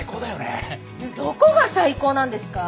どこが最高なんですか！？